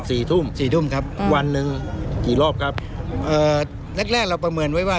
สี่ทุ่มสี่ทุ่มครับวันหนึ่งกี่รอบครับเอ่อแรกแรกเราประเมินไว้ว่า